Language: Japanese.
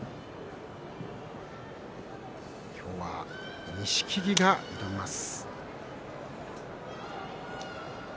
今日は錦木が挑みます。